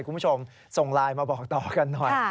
คุณผู้ชมส่งไลน์มาบอกต่อกันหน่อย